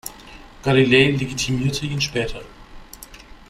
Galilei legitimierte ihn später.